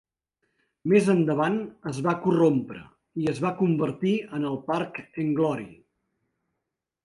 Més endavant es va corrompre i es va convertir en el parc Englorie.